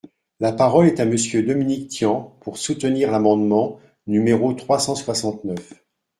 La parole est à Monsieur Dominique Tian, pour soutenir l’amendement numéro trois cent soixante-neuf.